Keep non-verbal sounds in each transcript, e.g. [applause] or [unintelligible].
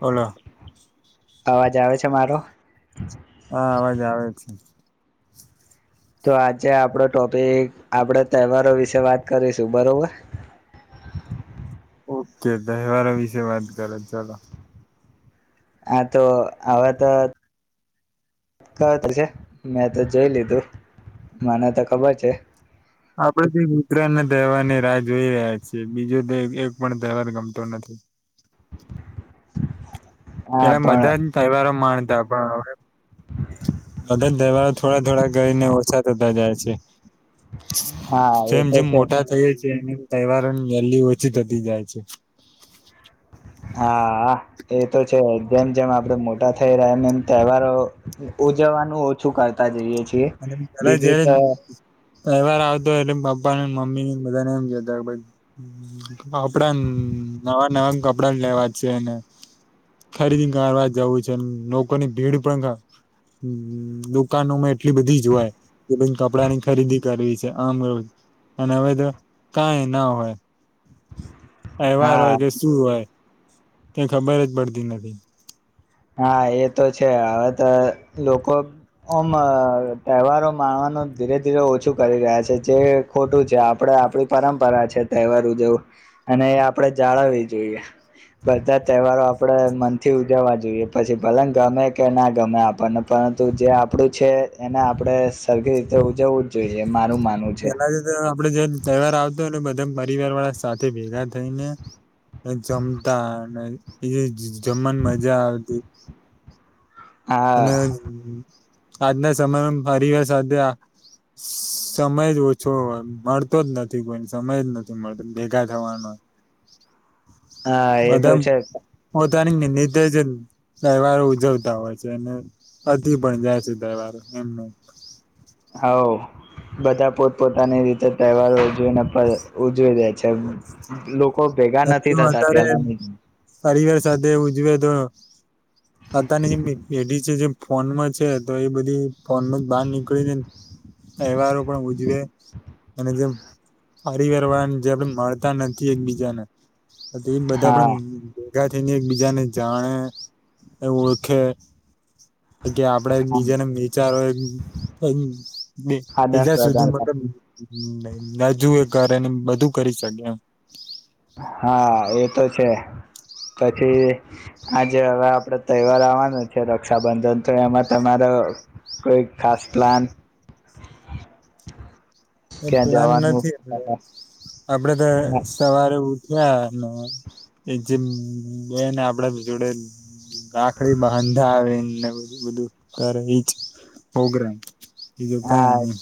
ઓલો. અવાજ આવે છે મારો. હન અવાજ આવે છે. તો આજે આપડો ટોપિક આપડે તહેવારો વિશે વાત કરીશું બરોબર. ઓકે તહેવારો વિશે વાત કરો ચાલો. આ તો હવ તો [inaudible] મેં તો જોઈ લીધું. મને તો ખબર છે. આપડે તો ગુજરાતના તહેવારની રાહ જોઈ રહ્યા છીએ. બીજો તો એક પણ તહેવાર ગમતો નથી. [inaudible] એટલે મધન પણ તહેવારો મા તા. પણ અવે બધન તેહવા થોડા-થોડા કરીને ઓછા થતા જાય છે. હા એ જેમ તો જેમ છે મોટા થઈ છે. એમ તહેવારોની વેલ્યુ ઓછી થતી જાય છે. હા એ તો છે. જેમ જેમ આપડે મોટા થઈ રહ્યા એમ એમ તહેવારો ઉજવવાનું ઓછું કરતા જઈએ છી અને પેલા જ્યા તહેવાર આવતો. એટલે પપ્પાન મમ્મીન બધાને એમ કેતા ભઈ કપડા નવા-નવા કપડા લેવા છે. ને ખરીદી કરવા જવું છ ન લોકોની ભીડ પણ દુકાનોમાં એટલી બધી જ હોય કે કોઈ ન કપડાની ખરીદી કરવી છે. અમ અ અન હવે તો કાઈ ના હોય. અહેવાર હોય હા કે શું હોય ત ખબર જ પડતી નથી હા એ તો છે હવે તો લોકો ઓમ તહેવારો માણવાનું ધીરે ધીરે ઓછું કરી રહ્યા છે જે ખોટું છે આપડ આપણી પરંપરા છે તહેવાર ઉજવ અને એ આપણે જાળવી જોઈએ બધા તહેવારો આપણે મનથી ઉજવવા જોઈએ પછી ભલંગ ગમે કે ના ગમે આપણને પરંતુ જે આપડું છે એને આપડે સરખી રીતે ઉજવવું જ જોઈએ મારે માનવ છે પેલા તો આપડે જે તહેવાર આવતો હોય એટ બધા પરિવાર વાળા સાથે ભેગા થઈ ને જમતા અને એ જમવાની મજા આવતી અને હા આજના સમયમાં ફવા સાથેધ સમય જ ઓછો હોય મળતો જ નથી કોઈ સમય જ નથી મળતો ભેગા થવાનો હા એ તો બધા છે પો તનીંદધ જ તહેવારે ઉજવતા હોય છે અ પણ જાય છે દહેવાર એમનું હા બધા પોતપોતાની રીતે તહેવાર ઉજવીને ઉજવી દે છે કોઈ ભેગા નથી થતા વધારે પેલા ની પરિવાર સાથે ઉજવે તો અતની જે પેઢી છે જે ફોનમાં છે તો એ બધી ફોનમાં જ બહાર નીકળીને તહેવારો પણ ઉજવે અને જેમ પરિવાર વાળાને જે આપ મળતા નથી એકબીજાને એ બધા પણ હા ભગા થઈને એકબીજાને જાણે એ ઓળખે કે આપડે બીજાને વિચારો એ આદાન બીજા પ્રદાન સુધી મબ ના જુએ ઘર એને બધું કરી શકે એમ હા એતો છે પછી આજે હવે આપડે તહેવાર આવવાનો છે રક્ષાબંધન તો એમાં તમારે કોઈ ખાસ પ્લાન એ ક્યાં પ્લાન જવાનું નથી આપ આપડે તો સવારે ઉ એ જે બે ને આપડા જોડે ગાખડી બાંધા આવીને બધુ બધું કરે એજ પ્રગ્રામ. બીજું કાઈ નહી.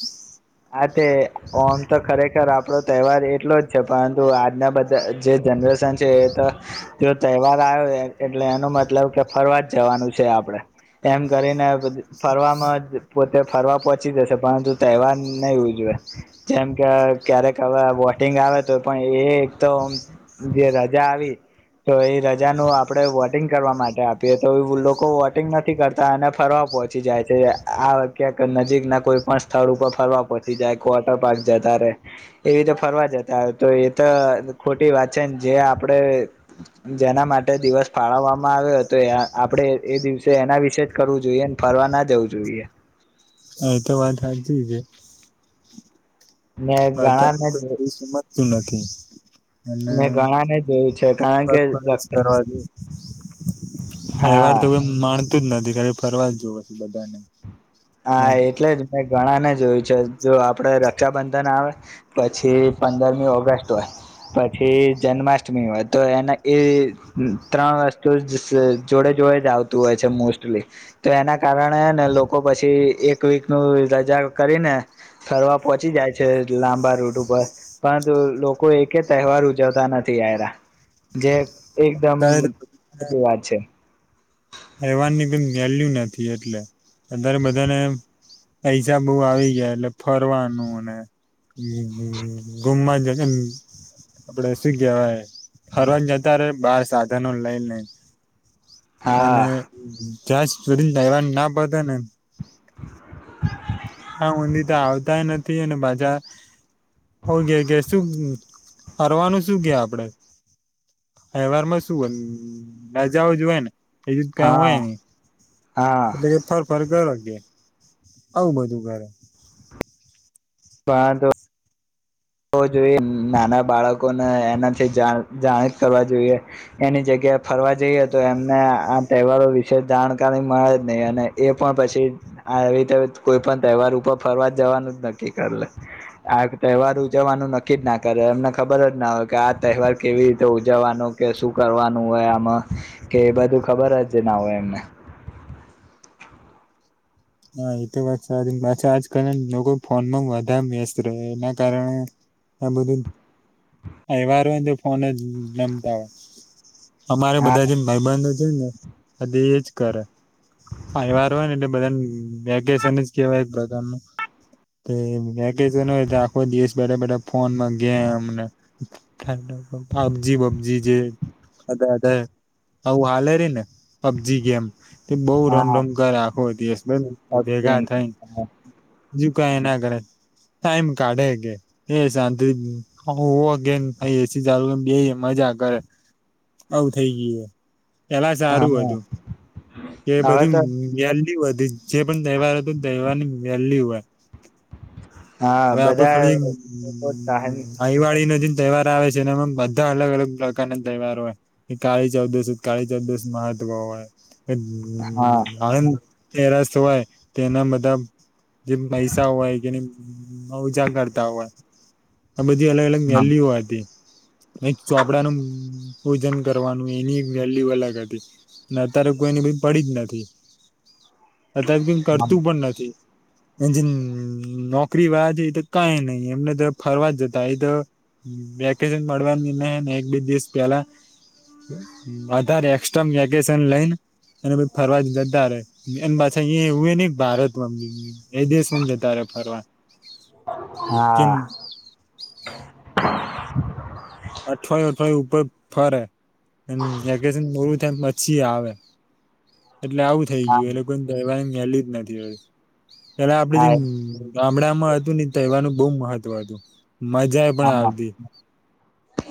કે ઓમ તો ખરેખર આપડો તહેવાર એટલો જ છે પરંતુ આજના બધા જે જનરેશન છે એ તો જો તહેવાર આવ્યો એટલે એનો મતલબ કે ફરવા જ જવાનું છે આપડે. એમ કરીને બધુ ફરવામાં જ પોતે ફરવા પહોંચી જશે પરંતુ તહેવાર નહી ઉજવે જેમ કે ક્યારેક હવે વોટિંગ આવે તો પણ એ એક તો જે રજા આવી તો એ રજાનું આપણે વોટિંગ કરવા માટે આપીએ તો એ લોકો વોટિંગ નથી કરતા અને ફરવા પહોંચી જાય છે આ કેક નજીક ના કોઈ પણ સ્થળ ઉપર ફરવા પહોંચી જાય કે વોટર પાર્ક જતા રહેે એવી રીતે ફરવા જતા હો તો એ તો ખોટી વાત છે ને જે આપણે જેના માટે દિવસ ફાળવવામાં આવ્યો હતો આપણે એ દિવસે એના વિશે જ કરવું જોઈએ ને ફરવા ના જવું જોઈએ. એતો વાત હાચી જ હે. ને ઘણા મે સુ નથી. ઘણાને જોયું છે કારણ સર્વિસ કે કરવાથી તહેવાર હા તો માણ તું જ નથી ખાઈ ફરવા જ જોવે છે બધાને. હા એટલે જ મે ઘણા ને જ જોયું છે જો આપડે રક્ષાબંધન આવે પછી પંદરમી ઓગસ્ટ હોય પછી જન્માષ્ટમી હોય તો એના એ ત્રણ વસ્તુ જોડે જોડે જ આવતું હોય છે મોસ્ટલી તો એના કારણે ને લોકો પછી એક વીક નું રજા કરીને ફરવા પહોંચી જાય છે લાંબા રૂટ ઉપર પરંતુ લોકો એકે તહેવાર ઉજવતા નથી આવ્યા જે એકદમ અત્યારે ખોટી વાત છે. રહેવાની કઈ વેલ્યુ નથી એટલે અત્યારે બધાને પૈસા બહું આવી ગયા એટલે ફરવાનું અને ગુમવા જ આપડે શું કેહવાય ફરવા જતા બાર સાધનો લઈ લઈને હા અને જ્યાં સુધી તહેવાર ના પતે ને હા ત્યાં ઊંધી તો આવ તાય નથી અને પાછા કે કે શું ફરવાનું શું કે આપડે તહેવારમાં શું રજાઓ જ હોય ને બીજુ કાય હા હોય નઈ હા એટલે કે ફર ફર કરો. આવું બધુ. બરા પરંતુ હોવ જોઈએ નાના બાળકોને એનાથી જાણી જ કરવા જોઈએ એની જગ્યાએ ફરવા જઈએ તો એમને આ તહેવારો વિશે જાણકારી મળે જ નહી અને એ પણ પછી રીતે કોઈ પણ તહેવાર ઉપર ફરવા જવાનું જ નક્કી કર લે આ તહેવાર ઉજવવાનું નક્કી જ ના કરે એમને ખબર જ ના હોય કે આ તહેવાર કેવી રીતે ઉજવવાનો કે શું કરવાનું હોય આમાં કે એ બધું ખબર જ ના હોય એમને હા એતો વાત સારી પાછા આજકાલ લોકો ફોનમાં વધારે વેસ્ટ રહે એના કારણે આ બધું તહેવાર હોય તો ફોન જ રમતા હોય. અમારે હા બધા જે ભાઈબધો છે ને એજ કરે તહેવાર હોય ને એટલે બધાને વેકેશન જ કેવાય એક પ્રકારનું વેકેશન હોય આખો દિવસ બેઠા બેઠા ફોનમાં ગેમ પબજી પબજી જેવી બઉ હાલે રહી ને પબજી ગેમ તે બઉ રમ રમ કરે આખો દિવસ પબજી અને બીજુ કાઈના કરે ટાઈમ કાઢે કે એ સાંતિ હુઓ કે એસી ચાલુ બેહીને મજા કરે આવું થઈ ગયું હે. પેલા સારું હા હતું કે હવે બધું તો વેલ્યુ થી વધી જે પણ તહેવાર હતો તહેવાર ની વેલ્યુ હોય. હા હવે આપડે બધા ખાલી લોકો હા ભાહીવાળી નજીક તહેવાર આવે છે. એમાં બધા અલગ અલગ પ્રકારના તહેવારો હોય કે કાળી ચૌદુશ કાળી ચૌદુશ મહત્વ હોય. [inaudible] હા તેરસ હોય તો એના બધા જે પૈસા હોય કેની મવજા કરતા હોય આ બધી અલગ અલગ મેલીઓ હતી ન ચોપડાનું. પૂજન કરવાનું એની વેલ્યુ અલગ હતી અને અત્યારે કોઈને બી પડી જ નથી કદ કઈ હા કરતું પણ નથી એ જે નોકરી વાળ છે એ તો કઈ નઈ એમને તો ફરવા જ જતા એ તો વેકેશન મળવાની ન ને એક બે દિવસ પેલા વધધારે એક્સ્ટ્રા વેકેશન લઈને અને ભી ફરવા જ જતા ર એમ બા. અ્છ એ હું એ નને ભારતમાંમ એ દ સમજેતાારે ફરવા કેમ હા અઠવાયું અઠવાયું ઉપર ફરે હમ પછી આવે એટલે આવું થઈ હા ગયું એટલે કોને થવા પહેલી જ નથી હવે એેલે આપડે જે ગામડામાં હતું નહ તહેવાનું બહુ મહત્વ હતું. મજા એ પણ હા આવતી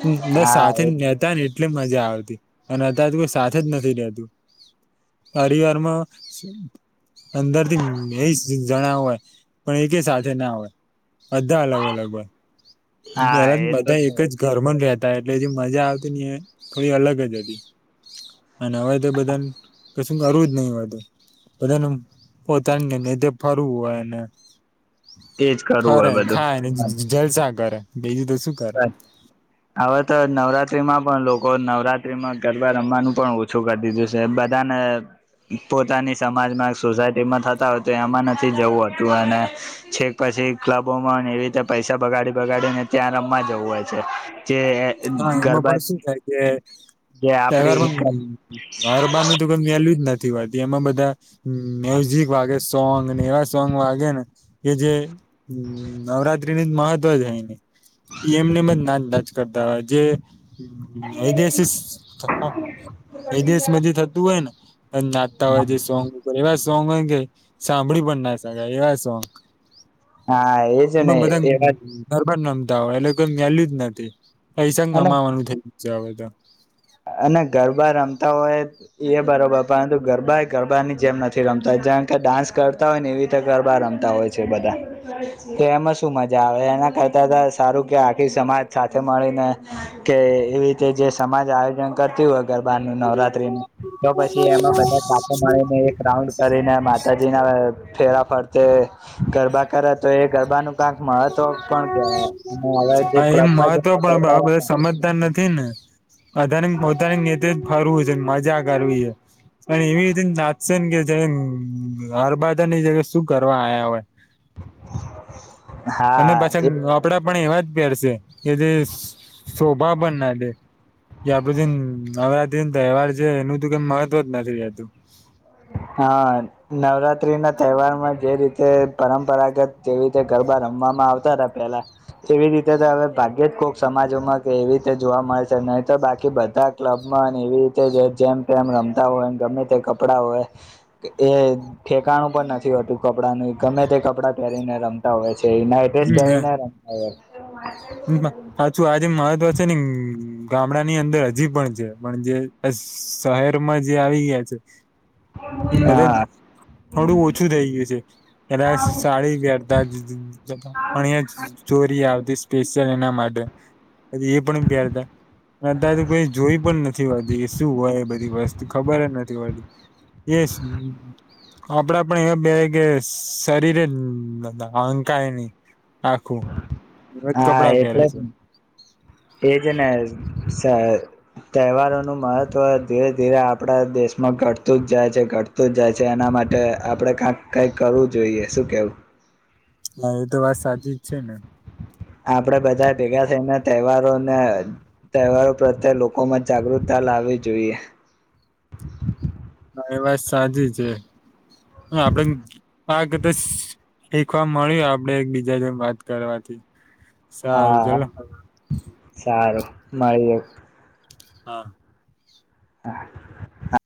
હમ બ હા સાથે એ નેતા ને એટલું મજા આવતી અને અત તો કોઈ સાથે જ નથી રહેતું પરિવારમાં અંદરથી એ જ જણ હોય પણ એક સાથે ના હોય બધા અલગ અલગ હોય હા મારા એ તો બધા એક છે જ ઘર રહ્યા હતા એટલે જે મજા આવતી ને એ થોડી અલગ જ હતી અનેવાય તો બધા ક શું કરવું જ નહીિ હોું બધાનું પોતાને તે ફરવું હોયને એજ કરવું હોય ફરેને બધું ખાય ને જલસા કરે બેીજ તો શું કરે બસ હવે તો નવરાત્રીમાં પણ લોકો કો નવરાત્રીમાં ગરબા રમવાનું પણ ઓછું કરી દીધું છે બધાને પોતાની સમાજમાં સોસાયટીમાં થતા હોય તો એમાં નથી જવું હોતું અને છેક પછી ક્લબોમાં એવી રીતે પૈસા બગાડી બગાડીને ત્યાં ર માં જવું હોય છે હા એમાં ગરબા પણ શું થાય કે જે આપડી તહેવારમાં ઘરબાર ન તો કઈ મેલું જ નથી વાતી એમાં બધા હમ મ્યુઝિક વાગે સોંગ નેવા સોંગ વાગે ને એ જે હમરા મહત્વ જાયને એ એમને ના ના કર [inaudible] એ દેશ એ દેશ મ જે થતું હોય ને નાતા હોય જે સોંગ ઉપર એવા સોંગ કે સાંભળી પણ ના સાાય એવા સોંગ હા એ છે ને એવા બર રમતા હોય એટલે કોઈ મેલ્યું જ નથી પૈસંગ અને ગમાવાનું થયું જાવદ અને ગરબા રમતા હોય એ બરોબર પરંતુ ગરબા એ ગરબા ની જેમ નથી રમતા હો જાણ કે ડાન્સ કરતા હોય ને એવી રીતે ગરબા રમતા હોય છે બધા તો એમાં શું મજા આવે એના કરતા સારું કે આખી સમાજ સાથે મળીને કે એવી રીતે જે સમાજ આવે કરતી [unintelligible] ગરબાનું નવરાત્રી નું તો પછી એમાં બધા સાધે મળીને એક રાઉન્ડ કરીને માતાજી ના ફેરા ફરતે ગરબા કરે તો એ ગરબાનું કાંક મહત્વ પણ કહેવાય અને હવે હ જે એ ક્લબમાં મહત્વ જઈને પણ ગરબા બરાબર રમે સમજતા નથી ને. પોતાને [unintelligible] ને ફરવું છે. મજા કરવી. પણ એવી રીતે તાત [unintelligible] જ હરબાદા ની જગ શું કરવા આયા હોય. હા અને પાછા એ આપડા પણ એવા જ પહેરશે એ જે શોભા બન ના દે. [unintelligible] તહેવાર જે એનું ત કઈ મહત્વ જ નથી રહેતું. હા નવરાત્રી ના તહેવાર માં જે રીતે પરંપરાગત જેવી રીતે ગરબા રમવામાં આવતા હતા પેલા તેવી રીતે હવે ભાગ્યે જ કોક સમાજોમાં કે એવી રીતે જોવા મળે છે નહી તો બાકી બધા ક્લબમાં એવી રીતે જેમ તેમમ રમતા હોય ગમે તે કપડા હોય એ ઠેકાણું પણ નથી હોતું કપડાંનું ગમે તે કપડાં પહેરીને રમતા હોય. નાઇટડ્રેસ પેરીને [unintelligible] પાછુ આજે મહત્વ છે ને. ગામડા ની અંદર હજી પણ છે પણ જે શહેરમાં જે આવી ગયા છે. એમ હોય બધા હા થોડું ઓછું થઈ ગયું છે કદાચ સાડી વહેરતા અણ ચોરી આવતી. સ્પેશિયલ એના માટે એ પણ પેરતા કદાજ કોઈ જોઈ પણ નથી હોતી શું હોય બધી વસ્તુ ખબર નથી હોતી એ આપડા પણ એવા પેારે કે શરીરે [unintelligible] હંકાય ન આખું. હા કપડાં એટલે પહેરે જ છે એજ ને સ તહેવારોનું મહત્વ ધીરે ધીરે આપડા દેશમાં ઘટતું જ જાય છે, ઘટતું જ જાય છે એના માટે આપડણે કક કઈક કરવું જોઈએ શું કેવું. હા એ તો વાત સાચી જ છે ને. આપડે બધા ભેગા થઈને તહેવારોને તહેવારો પ્રત્યે લોકોમાં જાગૃતતા લાવવી જોઈએ. એ ને વાત સાચી છે આપડે આગતે [unintelligible] શીખવા મળ્યું આપડે એક બીજા જે વાત કરવાથી. સારું હા ચલો હા સારું. મળીએ. હા. [inaudible]